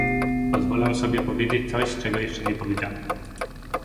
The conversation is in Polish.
Pozwolę sobie powiedzieć coś, czego jeszcze nie powiedziano